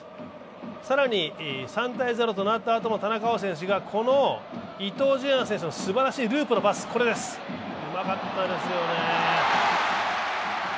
更に３−０となったあとも田中碧選手がこの伊藤純也選手のすばらしいループのパス、うまかったですよね。